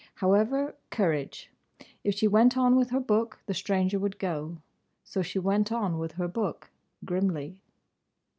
However: Courage! If she went on with her book the stranger would go. So she went on with her book, grimly.